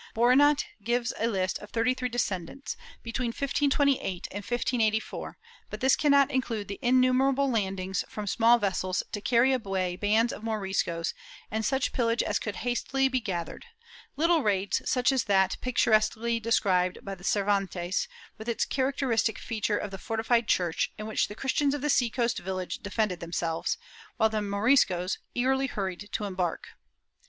Boronat gives a list of thirty three descents, between 1528 and 1584, but this cannot include the innumerable landings from small vessels to carry away bands of Moriscos and such pillage as could hastily be gath ered— little raids such as that picturesquely described by Cer vantes, with its characteristic feature of the fortified church, in which the Christians of the sea coast village defended themselves, while the Moriscos eagerly hurried to embark.